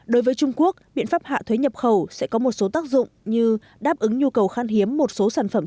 đối với trung quốc biện pháp hạ thuế nhập khẩu sẽ có một số tác dụng như đáp ứng nhu cầu khan hiếm một số sản phẩm